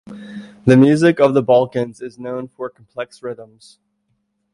The music of the Balkans is known for complex rhythms.